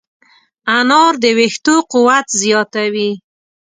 انار د ویښتو قوت زیاتوي.